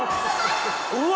うわ！